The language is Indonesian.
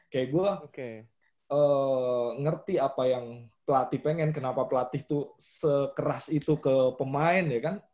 kayak gue ngerti apa yang pelatih pengen kenapa pelatih tuh sekeras itu ke pemain ya kan